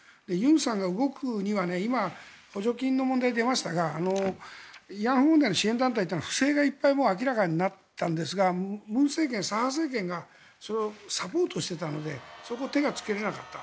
尹さんが動くには今、補助金の問題が出ましたが慰安婦問題の支援団体は不正がいっぱい明らかになったんですが文政権、左派政権がそれをサポートしていたのでそこに手がつけられなかった。